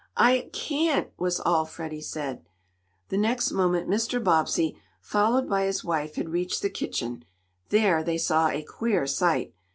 "I I can't!" was all Freddie said. The next moment Mr. Bobbsey, followed by his wife, had reached the kitchen. There they saw a queer sight.